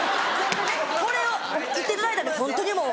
これを言っていただいたんでホントにもう。